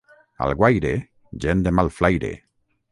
Alguaire, gent de mal flaire.